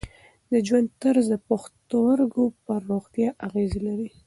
د ژوند طرز د پښتورګو پر روغتیا اغېز لري.